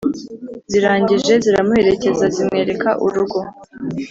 Zirangije ziramuherekeza zimwereka urugo